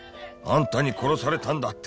「あんたに殺されたんだ」